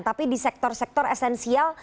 tapi di sektor sektor esensial